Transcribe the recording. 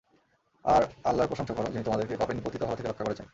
আর আল্লাহর প্রশংসা কর, যিনি তোমাদেরকে পাপে নিপতিত হওয়া থেকে রক্ষা করেছেন।